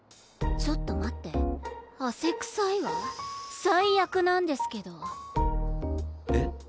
ちょっと待って汗臭いわ最悪なんですけどえっ？